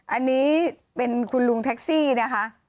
อันนี้เป็นคุณลุงแท็กซี่นะคะ